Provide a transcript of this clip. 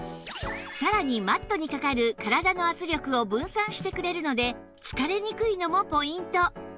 さらにマットにかかる体の圧力を分散してくれるので疲れにくいのもポイント